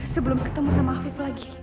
sebelum ketemu sama afif lagi